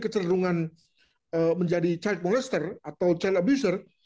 kecerdungan menjadi child molester atau child abuser